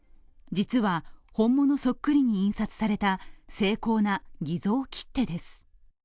実は、本物そっくりに印刷された精巧な偽造切手です。